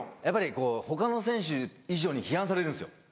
やっぱり他の選手以上に批判されるんですよ。